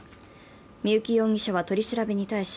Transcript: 三幸容疑者は取り調べに対し